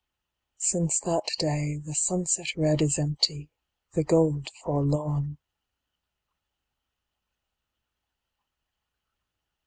Since that day The sunset red is empty, the gold forlorn.